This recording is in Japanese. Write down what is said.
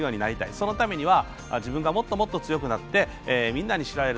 そのためには自分がもっともっと強くなってみんなに知られる。